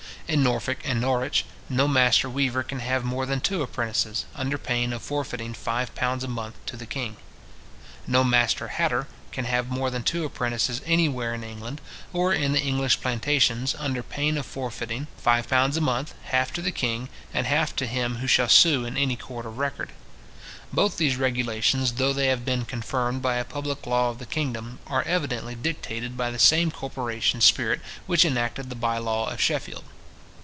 In Norfolk and Norwich, no master weaver can have more than two apprentices, under pain of forfeiting five pounds a month to the king. No master hatter can have more than two apprentices anywhere in England, or in the English plantations, under pain of forfeiting; five pounds a month, half to the king, and half to him who shall sue in any court of record. Both these regulations, though they have been confirmed by a public law of the kingdom, are evidently dictated by the same corporation spirit which enacted the bye law of Sheffield.